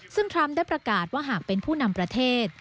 ซึ่งทรัมป์ได้ประกาศว่าหากเป็นผู้นำประเทศ